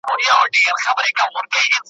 ښځي وویل بېشکه مي په زړه دي`